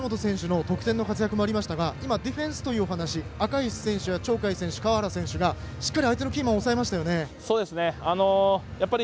ベテランの藤本選手の得点の活躍もありましたがディフェンスというお話赤石選手、鳥海選手、川原選手がしっかり相手のキーマンを抑えましたね。